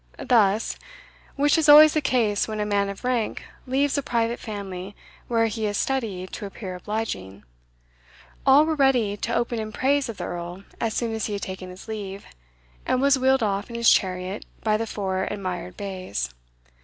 Thus, which is always the case when a man of rank leaves a private family where he has studied to appear obliging, all were ready to open in praise of the Earl as soon as he had taken his leave, and was wheeled off in his chariot by the four admired bays.